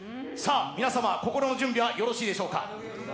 皆様、心の準備はよろしいでしょうか。